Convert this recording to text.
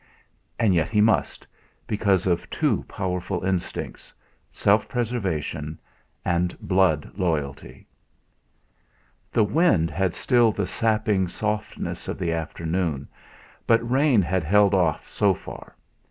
And yet he must, because of two powerful instincts self preservation and blood loyalty. The wind had still the sapping softness of the afternoon, but rain had held off so far.